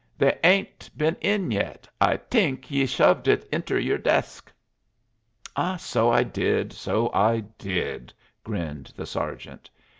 "They ain't been in yet I t'ink ye shoved it inter yer desk." "So I did, so I did," grinned the sergeant.